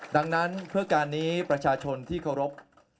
ดังนั้นเพื่อการนี้ประชาชนที่เคารพ